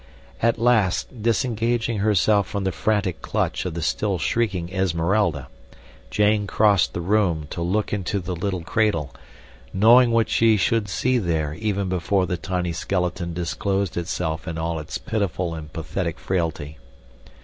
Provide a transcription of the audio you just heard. At last, disengaging herself from the frantic clutch of the still shrieking Esmeralda, Jane crossed the room to look into the little cradle, knowing what she should see there even before the tiny skeleton disclosed itself in all its pitiful and pathetic frailty.